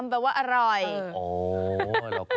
ไม่อายว่าอะไรนะ